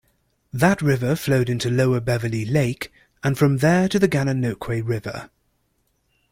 That river flowed into Lower Beverley Lake and from there to the Gananoque River.